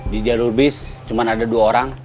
di jalur bis cuma ada dua orang